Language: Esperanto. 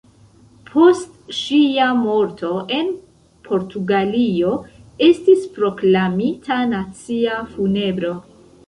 Post ŝia morto en Portugalio estis proklamita nacia funebro.